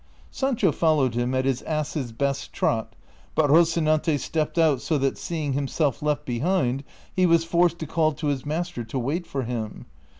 Sancho followed him at his ass's best trot, but Rocinante stepped out so that, seeing himself left behind, he was forced to call to his master to wait for him.